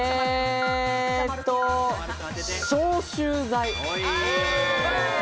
消臭剤。